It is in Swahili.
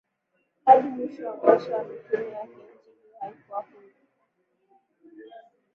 hadi mwisho wa maisha ya mitume yake nchi hiyo haikuwa huru